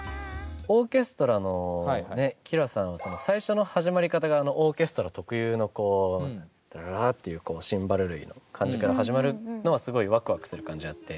オーケストラのＫｉｒａさんは最初の始まり方がオーケストラ特有のこうダララララっていうシンバル類の感じから始まるのはすごいワクワクする感じあって。